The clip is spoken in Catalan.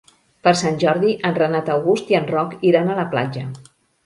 Per Sant Jordi en Renat August i en Roc iran a la platja.